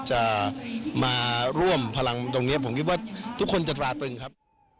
จะมาร่วมพลังตรงนี้ผมคิดว่าทุกคนจะตราตึงครับ